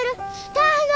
大変だ！